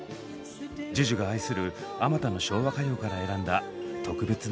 ＪＵＪＵが愛するあまたの昭和歌謡から選んだ特別な１曲です。